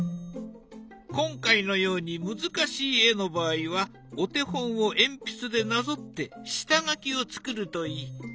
今回のように難しい絵の場合はお手本を鉛筆でなぞって下書きを作るといい。